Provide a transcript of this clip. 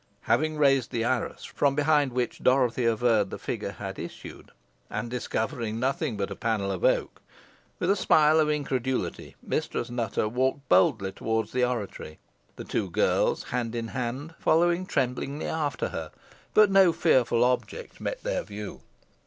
Having raised the arras, from behind which Dorothy averred the figure had issued, and discovering nothing but a panel of oak; with a smile of incredulity, Mistress Nutter walked boldly towards the oratory, the two girls, hand in hand, following tremblingly after her; but no fearful object met their view.